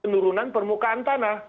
penurunan permukaan tanah